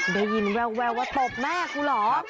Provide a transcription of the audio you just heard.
ได้ยินแววว่าตกแม่กูเหรอ